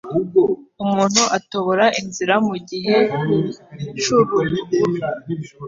Umuntu atobora inzira mugihe c'urubura